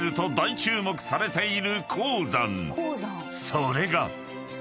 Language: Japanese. ［それが］